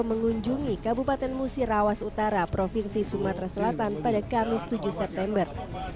mengunjungi kabupaten musirawas utara provinsi sumatera selatan pada kamis tujuh september